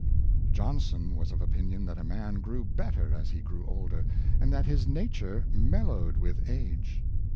Johnson was of opinion that a man grew better as he grew older, and that his nature mellowed with age.